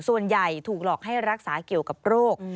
ส่วนใหญ่ถูกหลอกให้รักษาเกี่ยวกับโรค